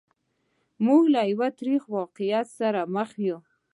موږ له یوه ترخه واقعیت سره مخامخ یو.